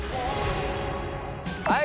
はい。